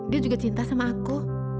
dia juga cinta sama aku